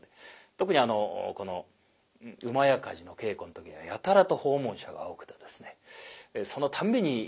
特にあのこの「火事」の稽古の時にはやたらと訪問者が多くてですねそのたんびに稽古が止まるというような。